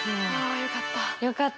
よかった。